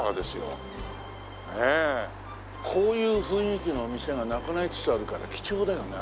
こういう雰囲気のお店がなくなりつつあるから貴重だよね